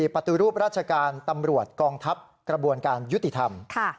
ปฏิรูปราชการตำรวจกองทัพกระบวนการยุติธรรม